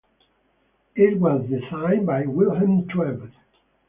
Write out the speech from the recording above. It was designed by Vilhelm Tvede.